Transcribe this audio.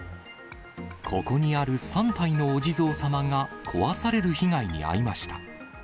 ここにある３体のお地蔵様が、壊される被害に遭いました。